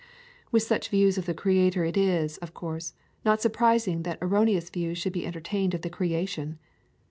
With such views of the Creator it is, of course, not surprising that erroneous views should be entertained of the creation.